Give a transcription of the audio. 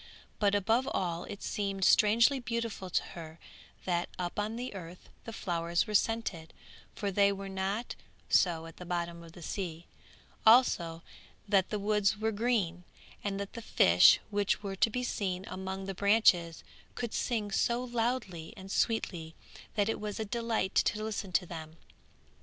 But above all it seemed strangely beautiful to her that up on the earth the flowers were scented, for they were not so at the bottom of the sea; also that the woods were green, and that the fish which were to be seen among the branches could sing so loudly and sweetly that it was a delight to listen to them.